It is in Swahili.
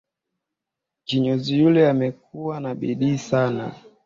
Kinyozi yule amekuwa na bidii sana